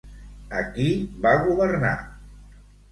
A qui va governar?